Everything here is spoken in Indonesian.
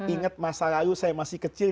ingat masa lalu saya masih kecil